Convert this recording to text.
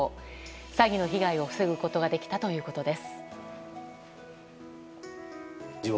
詐欺の被害を防ぐことができたということです。